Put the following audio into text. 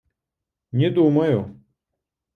Не думаю.